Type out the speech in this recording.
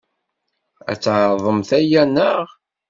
Ad tɛeḍemt aya, naɣ?